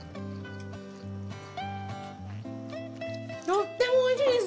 とってもおいしいです！